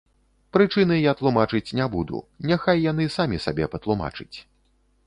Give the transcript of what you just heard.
Прычыны я тлумачыць не буду, няхай яны самі сабе патлумачыць.